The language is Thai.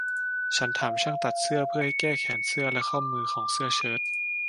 ฉันถามช่างตัดเสื้อเพื่อให้แก้แขนเสื้อและข้อมือของเสื้อเชิ้ต